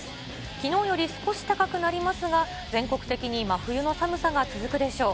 きのうより少し高くなりますが、全国的に真冬の寒さが続くでしょう。